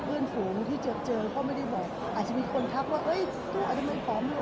เพื่อนฝูงที่จะเจอก็ไม่ได้บอกอาจจะมีคนทักว่าเอ้ยตู้อาจจะมันผอมลง